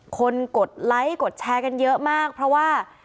กดไลค์กดแชร์กันเยอะมากเพราะว่า